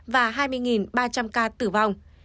và hai mươi ba trăm linh ca tử vong